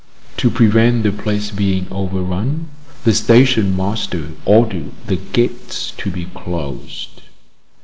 To prevent the place being overrun, the station master ordered the gates to be closed.